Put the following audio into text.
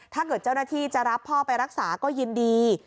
ถ้าเกิดเจ้าหน้าที่จะรับพ่อไปรักษาก็ยินดี